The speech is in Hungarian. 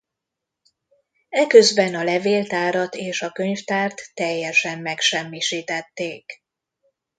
Eközben a levéltárat és a könyvtárt teljesen megsemmisítették.